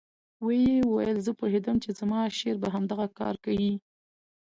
ويې ويل زه پوهېدم چې زما شېر به همدغه کار کيي.